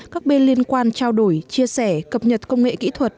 các bên liên quan trao đổi chia sẻ cập nhật công nghệ kỹ thuật